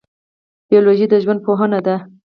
بیولوژي د ژوند پوهنه ده